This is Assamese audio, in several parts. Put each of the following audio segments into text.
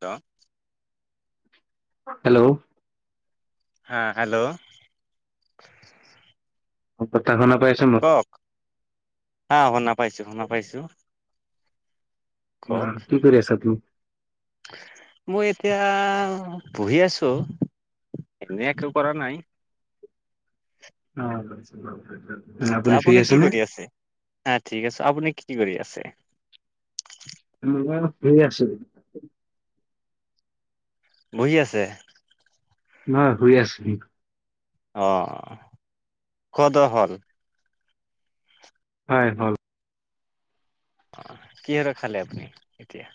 ক, হেল্ল' হা হেল্ল' [unintelligible] পাইছো ম কওক হা শুনা পাইছো শুনা পাইছো অ কওক, কি কৰি আছা তুমি? মই এতিয়া বহি আছোঁ, এনেই একো কৰা নাই। অ [unintelligible] আপুনি কি কৰি আছে? হা ঠিক আছে আপুনি কি কৰি আছে? মই শুই আছো। বহি আছে। নহয় শুই আছো। অ', খোৱা দোৱা হ'ল? হয় হ'ল। কিহেৰে খালে‌ আপুনি এতিয়া?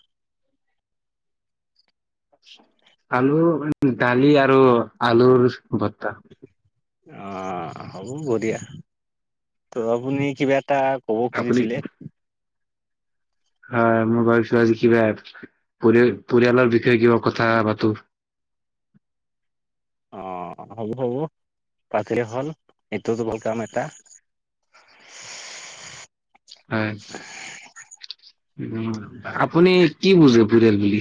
আলু, দালি আৰু আলুৰ ভৰতা। অ', হব বঢ়িয়া ত' আপুনি কিবা এটা ক'ব আপুনি খুজিছিলে হয়, মই ভাবিছো আজি কিবা পৰি-পৰিয়ালৰ বিষয়ে কিবা কথা পাতো [inaudible] অ', 'হব হ'ব। পাতিলেই হ'ল এইটোতো ভাল কাম ‌এটা। [inaudible] হয় উম, আপুনি কি বুজে পৰিয়াল বুলি?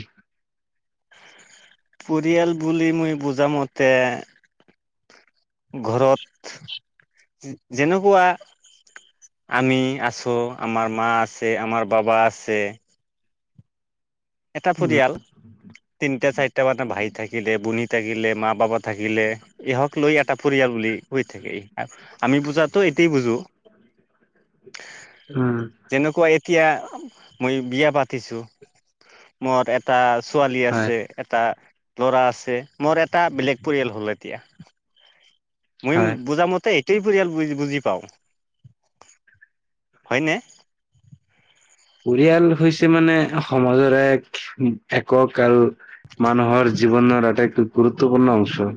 পৰিয়াল বুলি মই বুজামতে ঘৰত যেনেকুৱা আমি আছো, আমাৰ মা আছে, আমাৰ বাবা আছে এটা উম পৰিয়াল তিনিটা চাৰিটা মানে ভাই থাকিলে বুনি থাকিলে মা বাবা থাকিলে। এহক লৈ এটা পৰিয়াল বুলি হৈ থাকে আমি বুজাতো এটোয়ে বুজো। উম, যেনেকুৱা এতিয়া মই বিয়া পাতিছোঁ মোৰ এটা ছোৱালী হয় আছে এটা ল'ৰা আছে মোৰ এটা বেলেগ পৰিয়াল হ'ল এতিয়া। মই হয় বুজামতেই পৰিয়াল বুজি পাওঁ। হয়নে? পৰিয়াল হৈছে মানে সমাজৰ এক একক আৰু মানুহৰ জীৱনৰ আটাইতকৈ গুৰুত্বপূৰ্ণ অংশ।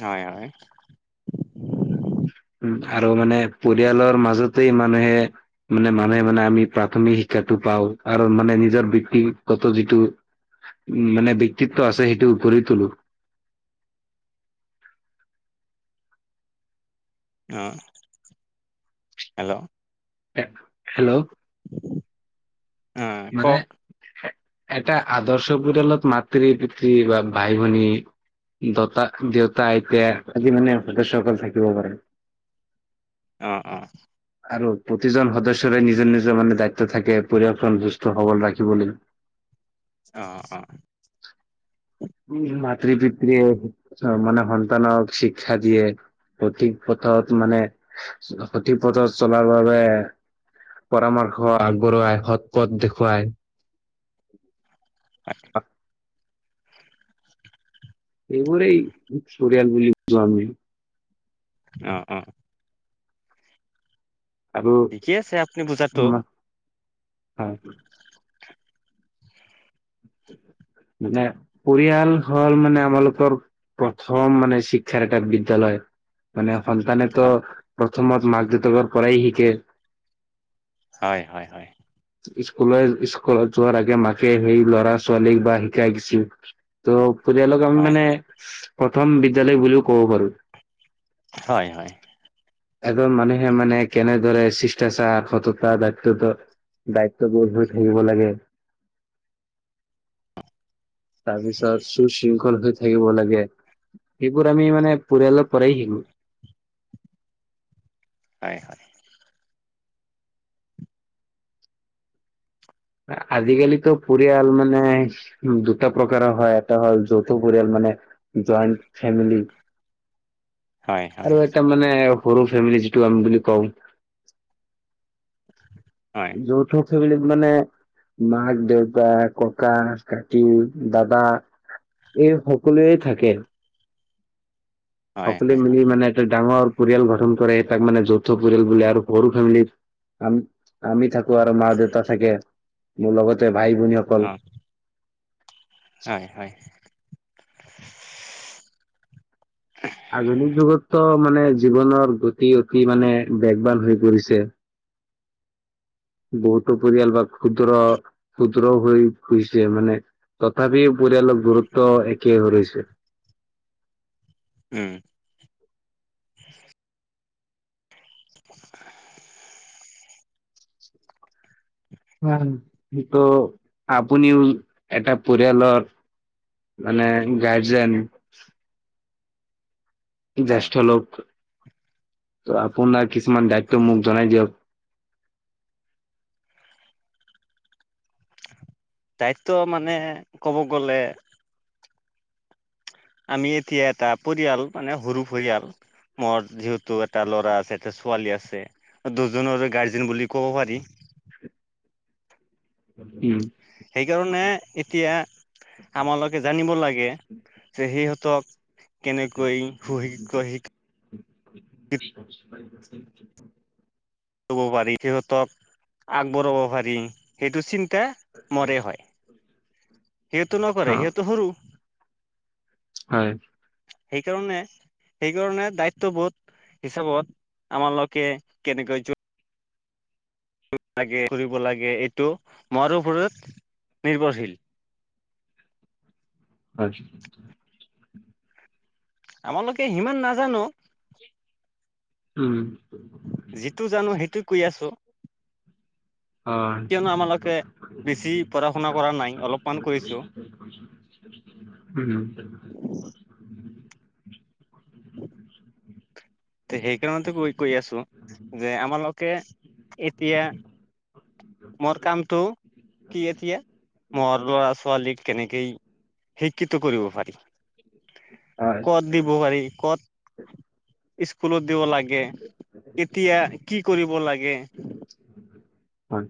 হয়, হয়। আৰু মানে পৰিয়ালৰ মাজতে মানে মানে মানে আমি প্ৰাথমিক শিক্ষাটো পাওঁ আৰু মানে নিজৰ বক্তিগত যিটো উম, মানে বক্তিত্ব আছে সেইটো গঢ়ি টোলো অ', হেল্ল'। হেল্ল' [inaudible] মানে কওক এটা আদৰ্শ পৰিয়ালত মাতৃ-পিতৃ বা ভাই-ভনী দতা দেউতা আইতা আদি মানে সদস্যসকল থাকিব পাৰে অ', অ'। আৰু প্ৰতিজন সদস্যৰে নিজৰ নিজৰ মানে দায়িত্ব থাকে পৰিয়ালক সন্তূস্ত সবল ৰাখিবলৈ অ', অ'। মাতৃ পিতৃয়ে মানে সন্তানক শিক্ষা দিয়ে সঠিক পথত মানে সঠিক পথত চলাৰ বাবে পৰামৰ্শ আগবঢ়োৱাই সৎ পথ দেখুৱাই হয়। এইবোৰে পৰিয়াল বুলি বুলি আমি। অহ, অহ। আৰু ঠিকে আছে আপুনি বুজাতো ইমান হয়। মানে পৰিয়াল হ'ল মানে আমালোকৰ প্ৰথম মানে শিক্ষাৰ এটা বিদ্যালয় মানে সন্তানে তো প্ৰথমত মাক দেউতাক পৰাই শিকে। হয়, হয়, হয়। স্কুলৰ স্কুলত যোৱাৰ আগে মাকে সেই ল'ৰা ছোৱালীক বা শিকাই দিছিল ত' পৰিয়ালক আমি হয় মানে প্ৰথম বিদ্যালয় বুলিও ক'ব পাৰো। হয়, হয়। এজন মানুহে মানে কেনেদৰে শিষ্টাচাৰ সততা দায়িত্বত দায়িত্ববোধ হৈ থাকিব লাগে। তাৰপিছত সুশৃংখল হৈ থাকিব লাগে। সেইবোৰ আমি মানে পৰিয়ালৰ পৰাই শিকো। হয়। আজিকালিতো পৰিয়াল মানে দুটা প্ৰকাৰৰ হয় এটা হ'ল যৌথ পৰিয়াল মানে জইণ্ট ফেমিলি। হয় আৰু এটা মানে সৰু ফেমিলি যিটো আমি বুলি কওঁ হয় য থ [unintelligible] মানে মাক দেউতাক ককা কাকি দাদা এই সকলোৱে থাকে। হয় সকলোৱে হয় মিলি হয় মানে এটা ডাঙৰ পৰিয়াল গঠন কৰে তাক মানে যৌথ পৰিয়াল বুলি আৰু সৰু ফেমিলিত আ আমি থাকো ক আৰু মা দেউতা থাকে, মোৰ লগতে ভাই অ ভনীসকল হয়, হয়। আধুনিক যুগতো মানে জীৱনৰ গতি অতি মানে ব্যগবান হৈ পৰিছে। বহুতো পৰিয়াল বা ক্ষুদ্ৰ ক্ষুদ্ৰ হৈ গুছে মানে তথাপিও পৰিয়ালক গুৰুত্ব একেই হৈছে উম [unintelligible] ইতো আপুনিও এটা পৰিয়ালৰ মানে, গাৰ্জেন। হয় জ্যেষ্ঠ লোক। ত, আপোনাৰ কিছুমান দায়িত্ব মোক জনাই দিয়ক। [unintelligible] দায়িত্ব মানে কব গ'লে আমি এতিয়া এটা পৰিয়াল মানে সৰু পৰিয়াল মোৰ যিহেতু এটা ল'ৰা আছে। ছোৱালী আছে দুজনৰ গাৰ্জেন বুলি ক'ব পাৰি। উম। সেইকাৰণে এতিয়া আমালোকে জানিব লাগে যে সিহঁতক কেনেকৈ শু, শিক, শিক [unintelligible] ল'ব পাৰি সিহঁতক আগ পলাব পাৰি সেইটো চিন্তা মৰে হয়। সেইটো অ নকৰে, সেইটো সৰু হয়। সেইকাৰণে, সেইকাৰণে দায়িত্ব বোধ হিচাপত আমালোকে কেনেকৈ কৰিব লাগে, এইটো মোৰ ওপৰত নিৰ্ভৰশীল। হয়। আমালোকে সিমান নাজানো। উম। কুই আছো। কিয়নো আমালোকে বেছি পঢ়া শুনা কৰা নাই অলপমান কৰিছো অ'। উম। [inaudible] তে, সেইকাৰণতে কৈ, কৈ, আছো যে আমালোকে এতিয়া মোৰ কামটো কি এতিয়া মোৰ ল'ৰা, ছোৱালীক কেনেকেই শিক্ষিত কৰিব পাৰি। হয় কত দিব পাৰি কত স্কুলত দিব লাগে। এতিয়া কি কৰিব লাগে। হয়।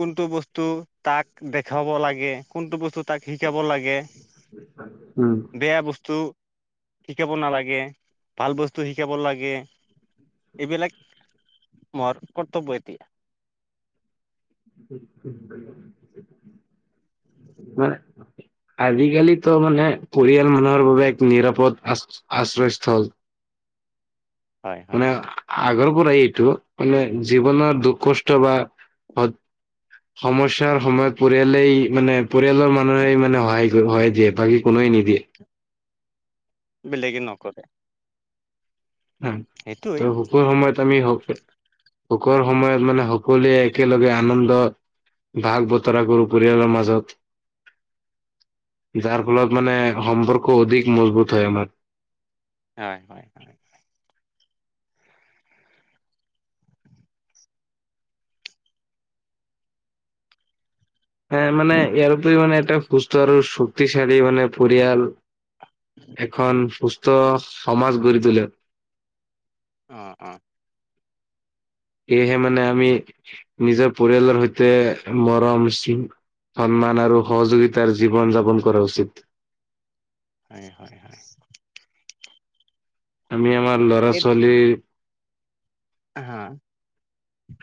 কোনটো বস্তু তাক দেখুৱাব লাগে, কোনটো বস্তু তাক শিকাব লাগে, উম বেয়া বস্তু শিকাব নালাগে। ভাল বস্তু শিকাব লাগে। এইবিলাক মৰ কৰ্তবব্য এতিয়া। হয়। আজিকালিতো মানে পৰিয়াল মানুহৰ বাবে এক নিৰাপদ আ, আশ্ৰয়স্থল। হয় হয় মানে আগৰ এইটো মানে জীৱনৰ দুখ কষ্ট বা সমস্য়াৰ সময়ত পৰিয়ালেই মানে পৰিয়ালৰ মানুহে মানে সহায় হয়ায় দিয়ে বাকী কোনো নিদিয়ে। বেলেগ নকৰে। হ, সেইটোৱেই ত, শুখুৰ সময়ত আমি হওক। শোকৰ সময়ত মানে সকলোৱে একেলগে আনন্দ ভাগ বতৰা কৰোঁ, পৰিয়ালৰ মাজত। যাৰ ফলত মানে সম্পৰ্ক অধিক মজবুত হয় আমাৰ। হয় হয়। এ মানে ইয়াৰ উপৰি মানে এটা সুস্থ আৰু শক্তিশালী মানে পৰিয়াল এখন সুস্থ সমাজ গঢ়ি তোলে। অ অ। সেয়েহে মানে আমি নিজৰ পৰিয়ালৰ সৈতে মৰম সন্মান আৰু সহযোগিতাৰ জীৱন যাপন কৰা উচিত। হয় হয় হয়। আমি আমাৰ ল'ৰা এত- ছোৱালী হা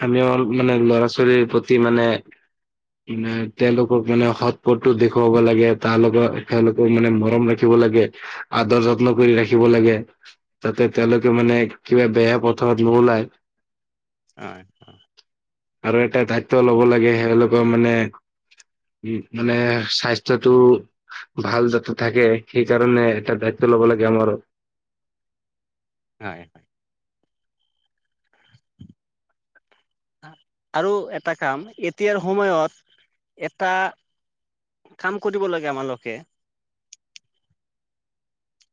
আমি অল মানে ল'ৰা ছোৱালীৰ প্ৰতি মানে মানে তেওঁলোকক মানে সৎ পথটো দেখুৱাব লাগে, তাৰ লগত তেওঁলোকে মানে মৰম ৰাখিব লাগে, আদৰ যত্ন কৰি ৰাখিব লাগে। যাতে হয় তেওঁলোকে মানে কিবা বেয়া পথাৰত নোলায়। হয় হয়। আৰু এটা দায়িত্ব ল'ব লাগে এলোকৰ মানে উম মানে স্বাস্থ্যটো ভাল যতে থাকে, সেইকাৰণে এটা দায়িত্ব ল'ব লাগে আমাৰ হয় হয়। আৰু এটা কাম, এতিয়াৰ সময়ত এটা কাম কৰিব লাগে আমাৰালোকে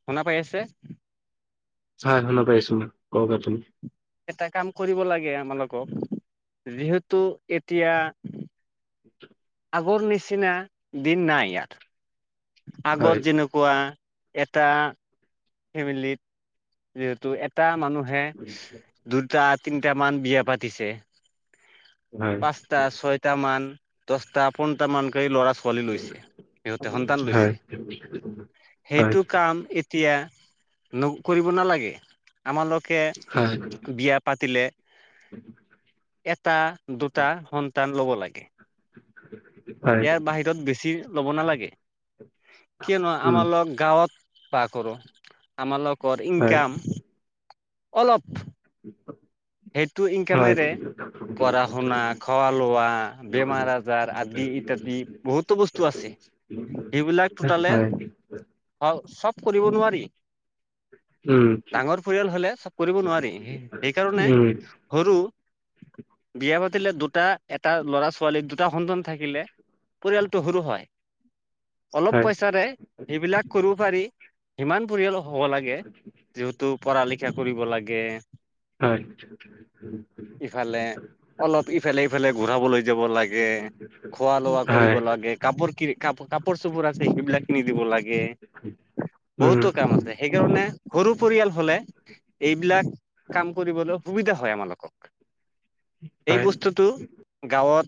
শুনা পাই আছে? হয় শুনা পাইছো মই, কওক আপুনি। এটা কাম কৰিব লাগে আমাকক, যিহেতু এতিয়া [inaudible] আাগৰ নিচিনা দিন নাই আৰ। আগত হয় যেনেকুৱা এটা ফেমিলিত যিহেতু এটা মানুহে দুটা তিনিটা মান বিয়া পাতিছে হয় পাঁচটা ছয়টা মান, দচটা পোন্টা মান ল'ৰা ছোৱালী লৈছে, সিহঁতে সন্তান লৈছে। হয় সেইটো কাম এতিয়া ন কৰিব নালাগে। আমালোকে হয় হয় বিয়া পাতিলে এটা-দুটা সন্তান ল'ব লাগে। [inaudible] ইয়াৰ বাহিৰত বেছি ল'ব নালাগে, কিয়নো উম আমাৰ লগ গাঁৱত বাৰ কৰো। আমালোকৰ হয় ইনকাম অলপ সেইটো হয় ইনকামেৰে পঢ়া-শুনা, খোৱা-লোৱা, বেমাৰ-আজাৰ আদি বহুতো বস্তু আছে। এইবিলাক হয় [unintelligible] অ চব কৰিব নোৱাৰি। উম ডাঙৰ পৰিয়াল হ'লে চব কৰিব নোৱাৰি। সেইকাৰণে উম সৰু বিয়া পাতিলে দুটা-এটা ল'ৰা-ছোৱালী দুটা সন্তান থাকিলে পৰিয়ালটো সৰু হয়। অলপ হয় পইচাৰে সেইবিলাক কৰিব পাৰি, সিমান পৰিয়ালক হ'ব লাগে। যিহেতু পঢ়া লিখা কৰিব লাগে। হয়। ইফালে অলপ ইফালে-ইফালে ঘূৰাবলৈ যাব লাগে। খোৱা-লোৱা কৰিব হয় লাগে, কাপোৰ কিন কাপ-কাপোৰ-চাপোৰ আছে সেইবিলাক কিনি দিব লাগে। উম বহুতো কাম আছে। সেইকাৰণে সৰু পৰিয়াল হ'লে এইবিলাক কাম কৰিবলৈ সুবিধা আমালোকক। এই হয় বস্তুটো গাঁৱত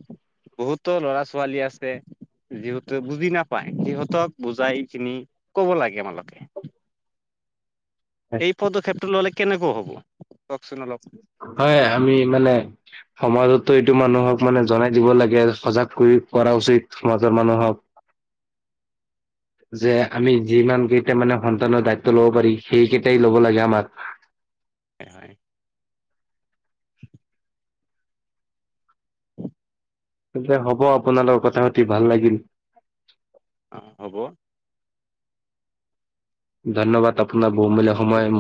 বহুতো ল'ৰা ছোৱালী আছে। যিহতে বুজি নাপায় সিহঁতক বুজাই কিনি কব লাগে তোমালোকে। [inaudible] হয় এই পদক্ষেপটো ল'লে কেনেকুৱা হ'ব কওকচোন অলপ? হয় আমি মানে সমাজতো এইটো মানুহক মানে জনাই দিব লাগে। সজাগ কৰিব কৰা উচিত সমাজৰ মানুহক। যে আমি যিমান কেইটা মানে সন্তানৰ দায়িত্ব ল'ব পাৰি সেইকেইটাই ল'ব লাগে আমাৰ। [inaudible] হয়। তেন্তে হ'ব আপোনাৰ লগৰ কথা পাতি ভাল লাগিল। অ', হ'ব। ধন্যবাদ আপোনাক।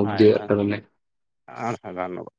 হয়, হয় ধন্যবাদ।